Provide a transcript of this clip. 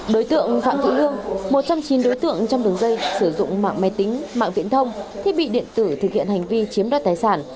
đối tượng phạm thị hương một trong chín đối tượng trong đường dây sử dụng mạng máy tính mạng viễn thông thiết bị điện tử thực hiện hành vi chiếm đoạt tài sản